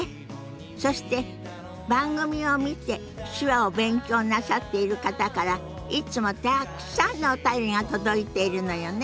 そして番組を見て手話を勉強なさっている方からいつもたくさんのお便りが届いているのよね？